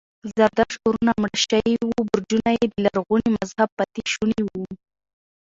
زردشت اورونه مړه شوي وو، برجونه یې د لرغوني مذهب پاتې شوني و.